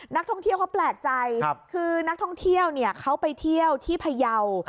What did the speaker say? นักท่องเที่ยวเขาแปลกใจคือนักท่องเที่ยวเขาไปเที่ยวที่พยาว